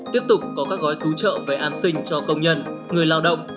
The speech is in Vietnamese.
tiếp tục có các gói cứu trợ về an sinh cho công nhân người lao động